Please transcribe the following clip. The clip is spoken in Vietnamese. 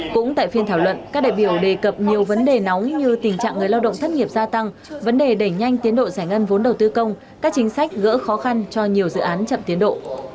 cũng tại phiên thảo luận các đại biểu đề cập nhiều vấn đề nóng như tình trạng người lao động thất nghiệp gia tăng vấn đề đẩy nhanh tiến độ giải ngân vốn đầu tư công các chính sách gỡ khó khăn cho nhiều dự án chậm tiến độ